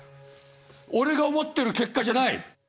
俺が思ってる結果じゃない！